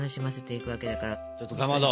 ちょっとかまど。